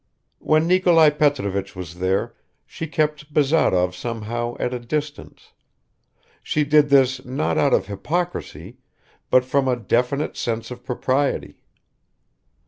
When Nikolai Petrovich was there she kept Bazarov somehow at a distance; she did this not out of hypocrisy but from a definite sense of propriety.